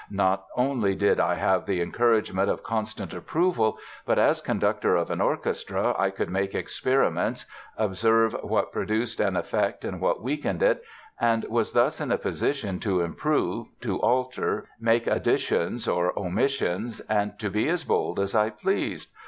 Not only did I have the encouragement of constant approval, but as conductor of an orchestra I could make experiments, observe what produced an effect and what weakened it, and was thus in a position to improve, to alter, make additions or omissions, and be as bold as I pleased.